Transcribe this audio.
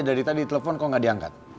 dari tadi di telepon kok ga diangkat